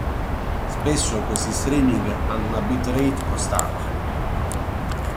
Spesso questi streaming hanno una bit rate costante.